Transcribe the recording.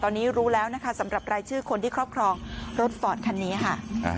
ตอนนี้รู้แล้วนะคะสำหรับรายชื่อคนที่ครอบครองรถฟอร์ดคันนี้ค่ะ